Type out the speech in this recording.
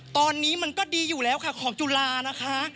ตอนนี้มันก็ดีอยู่แล้วค่ะของจุฬานะคะ